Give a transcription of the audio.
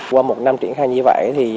qua một năm triển khai như vậy